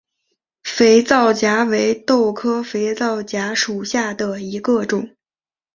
肥皂荚为豆科肥皂荚属下的一个种。